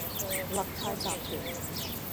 勒泰集團